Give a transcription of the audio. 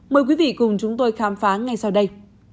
mời quý vị cùng chúng tôi khám phá ngay sau đây